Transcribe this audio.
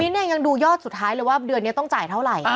เนี่ยยังดูยอดสุดท้ายเลยว่าเดือนนี้ต้องจ่ายเท่าไหร่